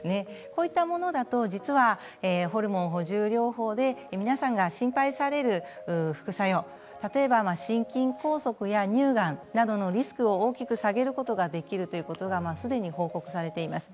こういったものだと実はホルモン補充療法で皆さんが心配される副作用例えば心筋梗塞や乳がんそういうリスクを大きく下げることができるということがすでに報告されています。